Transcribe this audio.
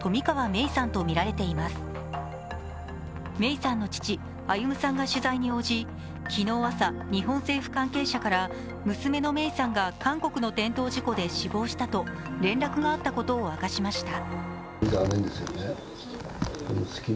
芽生さんの父・歩さんが取材に応じ昨日の朝、日本政府関係者から娘の芽生さんが韓国の転倒事故で死亡したと連絡があったことを明かしました。